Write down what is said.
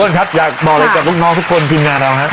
พี่อ้วนครับอยากบอกเลยกับลูกน้องทุกคนทีมงานเรา